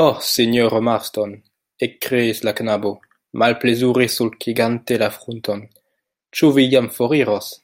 Ho, sinjoro Marston, ekkriis la knabo, malplezure sulkigante la frunton, ĉu vi jam foriros?